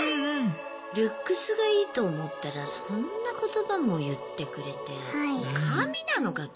ルックスがいいと思ったらそんな言葉も言ってくれて神なのかと。